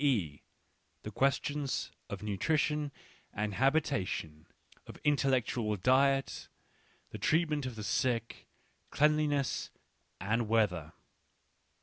e % the questions of nutrition and habitation, of in tellectual diet, the treatment of the sick, cleanli ness, and weather.